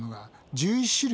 １１種類？